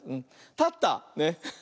たった。ね。